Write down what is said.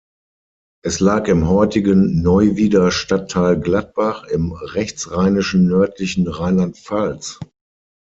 Es lag im heutigen Neuwieder Stadtteil Gladbach im rechtsrheinischen nördlichen Rheinland-Pfalz.